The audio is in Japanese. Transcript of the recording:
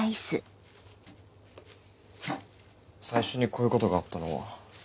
最初にこういうことがあったのは？